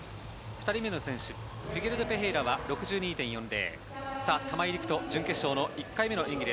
２人目の選手、フィゲレド・ペヘイラは６２．４０。